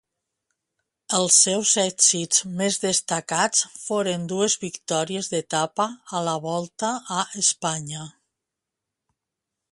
Els seus èxits més destacats foren dues victòries d'etapa a la Volta a Espanya.